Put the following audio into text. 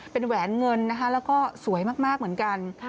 เป็นแหวนเงินนะคะแล้วก็สวยมากเหมือนกัน